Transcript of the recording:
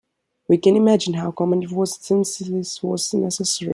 We can imagine how common it was since this was necessary.